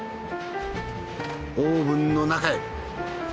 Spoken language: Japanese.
オーブンの中へ。